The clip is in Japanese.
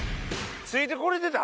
ついて来れてた？